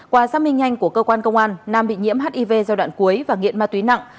qua xác minh nhanh của cơ quan công an nam bị nhiễm hiv giai đoạn cuối và nghiện ma túy nặng